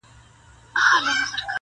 او د ځان سره جنګېږي تل,